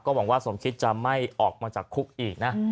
หวังว่าสมคิดจะไม่ออกมาจากคุกอีกนะ